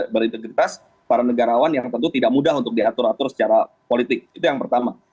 berintegritas para negarawan yang tentu tidak mudah untuk diatur atur secara politik itu yang pertama